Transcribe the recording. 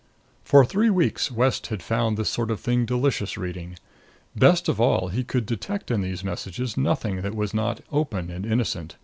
For three weeks West had found this sort of thing delicious reading. Best of all, he could detect in these messages nothing that was not open and innocent.